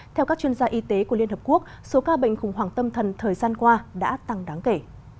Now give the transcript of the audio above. theo các chuyên gia y tế của liên hợp quốc số ca bệnh khủng hoảng tâm thần thời gian qua đã tăng đáng kể